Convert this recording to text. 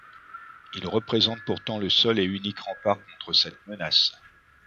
Ils représentent pourtant le seul et unique rempart contre cette menace.